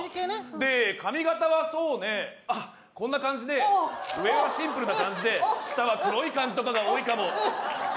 で、髪形はそうねあっ、こんな感じで、上はシンプルな感じで下は黒い感じとかが多いかも。